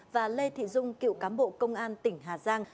và lê thị dung cựu cán bộ công an tỉnh hà giang